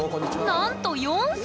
なんと４歳！